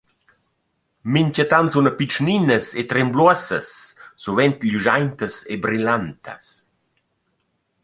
Minchatant suna pitschninas e trembluossas, suvent glüschaintas e brillantas.